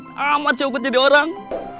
pelagut amat sih aku jadi orang